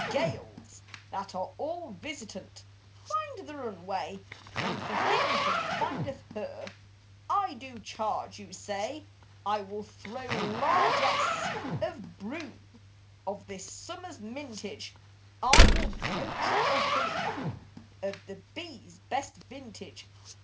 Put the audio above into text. Gales, that are all visitant, Find the runaway; And for him who findeth her (I do charge you say) I will throw largesse of broom Of this summer's mintage, I will broach a honey bag Of the bee's best vintage.